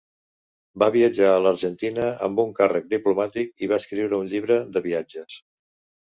Va viatjar a l'Argentina amb un càrrec diplomàtic, i va escriure'n un llibre de viatges.